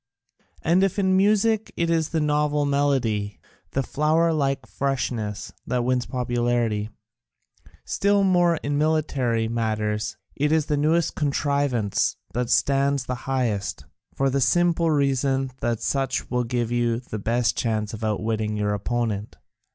And if in music it is the novel melody, the flower like freshness, that wins popularity, still more in military matters it is the newest contrivance that stands the highest, for the simple reason that such will give you the best chance of outwitting your opponent.